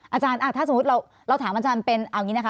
อาจารย์ถ้าสมมุติเราถามอาจารย์เป็นเอาอย่างนี้นะคะ